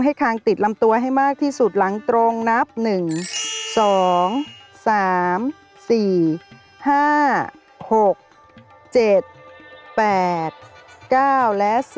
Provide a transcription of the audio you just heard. คางติดลำตัวให้มากที่สุดหลังตรงนับ๑๒๓๔๕๖๗๘๙และ๔